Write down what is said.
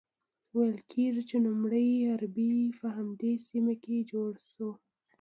ویل کیږي چې لومړۍ اربۍ په همدې سیمه کې جوړه شوه.